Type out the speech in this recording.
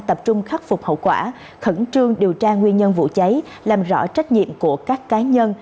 tập trung khắc phục hậu quả khẩn trương điều tra nguyên nhân vụ cháy làm rõ trách nhiệm của các cá nhân